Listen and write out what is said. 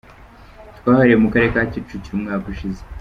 Twahereye mu karere ka Kicukiro umwaka ushize.